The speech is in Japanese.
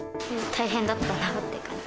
大変だったなっていう感じ。